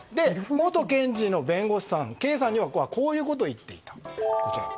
元検事の弁護士さんＫさんはこういうことを言っていた。